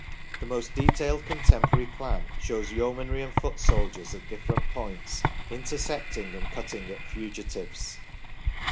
The most detailed con temporary plan shows Yeomanry and foot soldiers at different points "intercepting and cutting at fugitives".